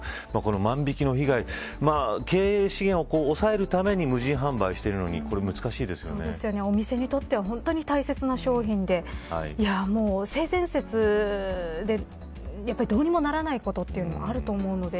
万引の被害経営資源を抑えるためにも無人販売をしてるのにお店にとっては本当に大切な商品で性善説でどうにもならないことというのもあると思います。